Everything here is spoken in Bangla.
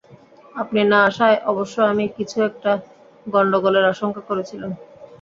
আপনি না আসায় অবশ্য আমি কিছু একটা গন্ডগোলের আশঙ্কা করেছিলাম।